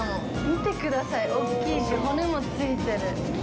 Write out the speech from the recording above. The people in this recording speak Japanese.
見てください、大きいし骨もついてる。